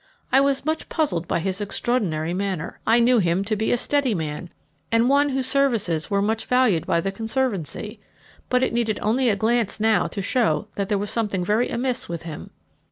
I was much puzzled by his extraordinary manner. I knew him to be a steady man, and one whose services were much valued by the Conservancy; but it needed only a glance now to show that there was something very much amiss with him.